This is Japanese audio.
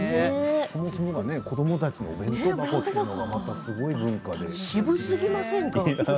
そもそもが子どもたちのお弁当箱というのが渋すぎませんか。